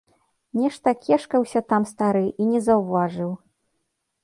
Нешта кешкаўся там стары і не заўважыў.